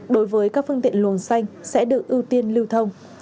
đối với các phương tiện luồng xanh sẽ được ưu tiên lưu thông